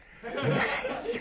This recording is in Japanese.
ないよ。